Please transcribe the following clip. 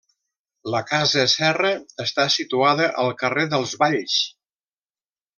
La casa Serra està situada al carrer dels Valls.